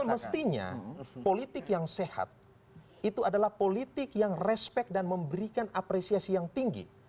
semestinya politik yang sehat itu adalah politik yang respect dan memberikan apresiasi yang tinggi